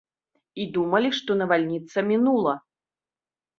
І думалі, што навальніца мінула.